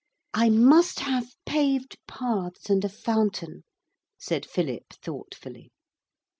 'I must have paved paths and a fountain,' said Philip thoughtfully.